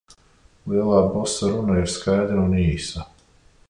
Lielā bosa runa ir skaidra un īsa.